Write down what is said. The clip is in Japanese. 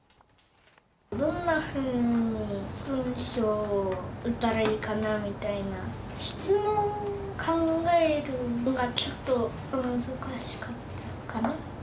どんなふうに文章を打ったらいいかなみたいな、質問を考えるのがちょっと難しかったかな。